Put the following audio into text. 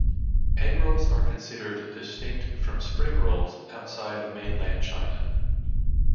Egg rolls are considered distinct from spring rolls outside of mainland China.